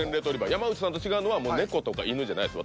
山内さんと違うのはネコとかイヌじゃないです。